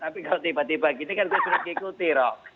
tapi kalau tiba tiba gini kan saya sudah diikuti